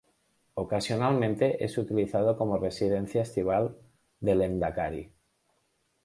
Ocasionalmente es utilizado como residencia estival del Lehendakari.